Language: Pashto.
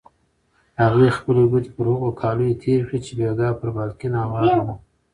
هغې خپلې ګوتې پر هغو کالیو تېرې کړې چې بېګا پر بالکن هوار وو.